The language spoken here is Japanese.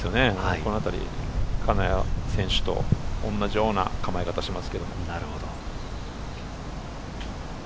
このあたりは金谷選手と同じような構え方をします。